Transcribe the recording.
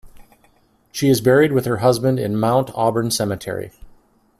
She is buried with her husband in Mount Auburn Cemetery.